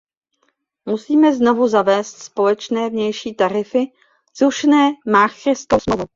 Musíme znovu zavést společné vnější tarify zrušené Maastrichtskou smlouvou.